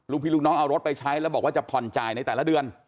พี่ลูกน้องเอารถไปใช้แล้วบอกว่าจะผ่อนจ่ายในแต่ละเดือน